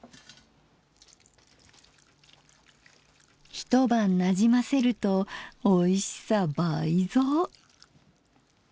一晩なじませるとおいしさ倍増。